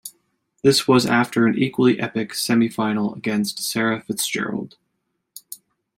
This was after an equally epic semi-final against Sarah Fitz-Gerald.